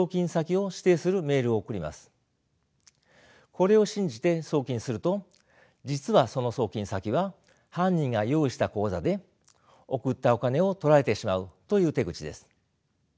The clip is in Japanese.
これを信じて送金すると実はその送金先は犯人が用意した口座で送ったお金をとられてしまうという手口です。